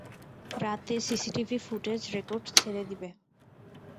রাতে CCTV footage record ছেড়ে দিবে।